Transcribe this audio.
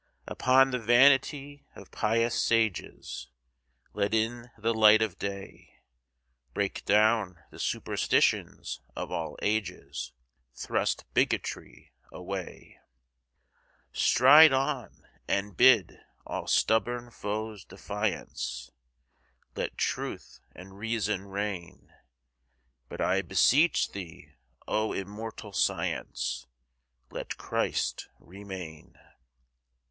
Upon the vanity of pious sages Let in the light of day; Break down the superstitions of all ages— Thrust bigotry away; Stride on, and bid all stubborn foes defiance, Let Truth and Reason reign: But I beseech thee, O Immortal Science, Let Christ remain.